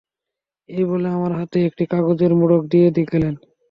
এই বলে আমার হাতে একটি কাগজের মোড়ক দিয়ে গেলেন।